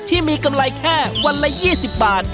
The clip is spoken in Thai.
ที่มีกำไรแค่วันละ๒๐บาท